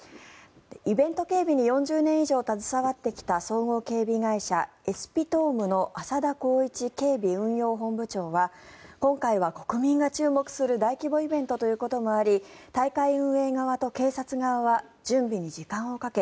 イベント警備に４０年以上携わってきた総合警備会社のエスピトームの浅田光一警備運用本部長は今回は国民が注目する大規模イベントということもあり大会運営側と警察側は準備に時間をかけ